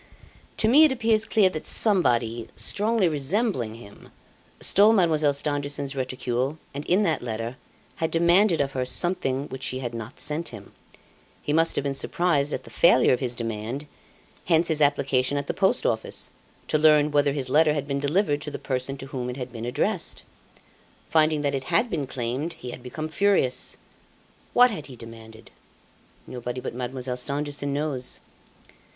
"To me it appears clear that somebody, strongly resembling him, stole Mademoiselle Stangerson's reticule and in that letter, had demanded of her something which she had not sent him. He must have been surprised at the failure of his demand, hence his application at the Post Office, to learn whether his letter had been delivered to the person to whom it had been addressed. Finding that it had been claimed, he had become furious. What had he demanded? Nobody but Mademoiselle Stangerson knows.